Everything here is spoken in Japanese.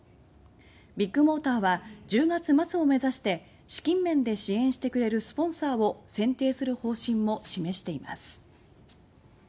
ビッグモーターは１０月末を目指して資金面で支援してくれるスポンサーを選定する方針も示しています。